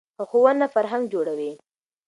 ښوونه فرهنګ جوړوي.